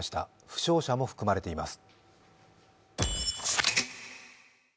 負傷者も含まれています。